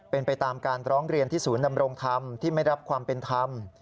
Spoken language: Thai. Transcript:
เป็นไปตามการร้องเรียนที่ศูนย์ดำรงธรรมที่ไม่รับความเป็นธรรม